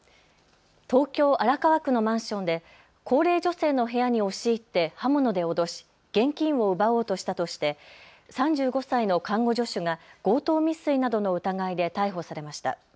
東京荒川区のマンションで高齢女性の部屋に押し入って刃物で脅し現金を奪おうとしたとして３５歳の看護助手が強盗未遂などの疑いで逮捕されました。